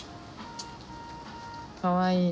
かわいい。